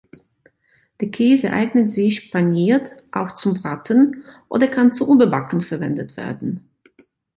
Der Käse eignet sich paniert auch zum Braten oder kann zum Überbacken verwendet werden.